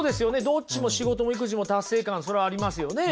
どっちも仕事も育児も達成感それはありますよね。